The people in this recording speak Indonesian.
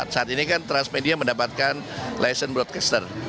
saat ini kan transmedia mendapatkan licent broadcaster